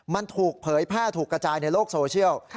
มันถูกเผยแพร่ถูกกระจายในโลกโซเชียล